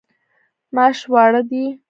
ماش واړه دي.